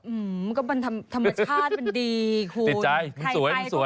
อื้อมันก็มันธรรมชาติมันดีคุณ